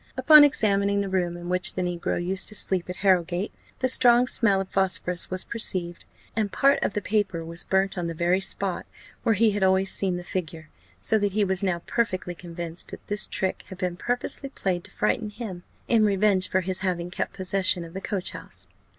Upon examining the room in which the negro used to sleep at Harrowgate, the strong smell of phosphorus was perceived, and part of the paper was burnt on the very spot where he had always seen the figure, so that he was now perfectly convinced that this trick had been purposely played to frighten him, in revenge for his having kept possession of the coach house.